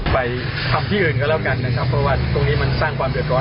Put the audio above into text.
ไปทำที่อื่นก็แล้วกันนะครับเพราะว่าตรงนี้มันสร้างความเดือดร้อน